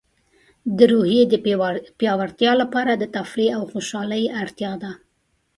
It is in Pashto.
د روحیې د پیاوړتیا لپاره د تفریح او خوشحالۍ اړتیا ده.